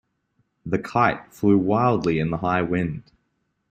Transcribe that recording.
The kite flew wildly in the high wind.